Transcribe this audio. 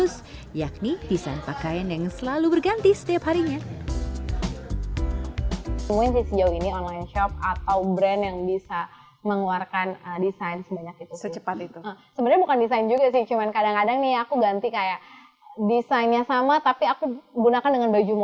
secepet apa sih maksudnya raisa menjadwalkan untuk membuat model baru